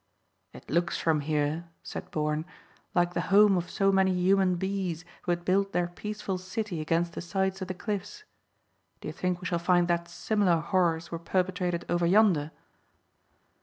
"It looks from here," said Bourne, "like the home of so many human bees who had built their peaceful city against the sides of the cliffs. Do you think we shall find that similar horrors were perpetrated over yonder?"